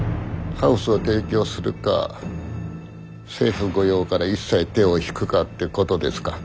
ハウスを提供するか政府御用から一切手を引くかってことですか。